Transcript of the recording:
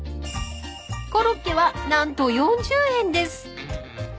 ［コロッケは何と４０円です］